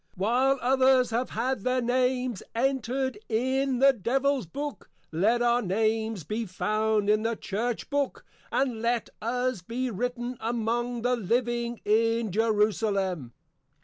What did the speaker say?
While others have had their Names Entred in the Devils Book; let our Names be found in the Church Book, and let us be Written among the Living in Jerusalem.